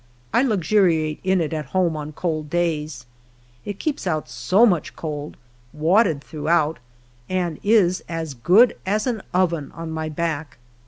I luxuriate in it at home on cold days, it keeps out so much cold, wadded throughout, and is as good as an oven on my back.